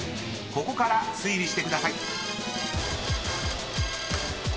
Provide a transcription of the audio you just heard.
［ここから推理してください］